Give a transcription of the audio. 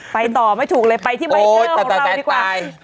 ไปต่อไม่ถูกเลยไปที่ใบหน้าของเราดีกว่า